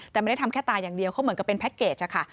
แต่ไม่ได้ทำแค่ตาอย่างเดียวเขาเหมือนกับเป็นแพ็คเกจค่ะ